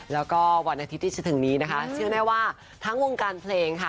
แล้วก็วันอาทิตย์ที่จะถึงนี้นะคะเชื่อแน่ว่าทั้งวงการเพลงค่ะ